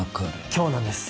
今日なんです。